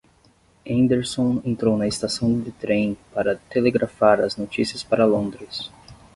Henderson entrou na estação de trem para telegrafar as notícias para Londres.